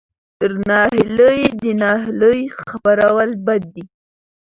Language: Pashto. تر ناهیلۍ د ناهیلۍ خپرول بد دي.